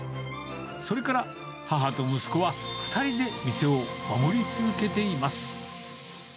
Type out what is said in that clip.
それから母と息子は、２人で店を守り続けています。